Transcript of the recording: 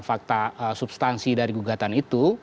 fakta substansi dari gugatan itu